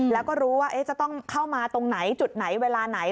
แล้วก็รู้ว่าจะต้องเข้ามาตรงไหนจุดไหนเวลาไหน